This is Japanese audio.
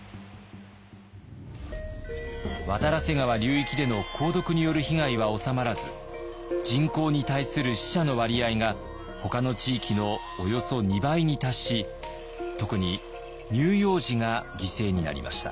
渡良瀬川流域での鉱毒による被害は収まらず人口に対する死者の割合がほかの地域のおよそ２倍に達し特に乳幼児が犠牲になりました。